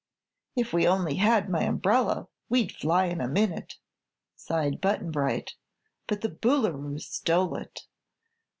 "If we only had my umbrella, we'd fly in a minute," sighed Button Bright. "But the Boolooroo stole it."